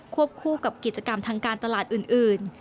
คู่กับกิจกรรมทางการตลาดอื่น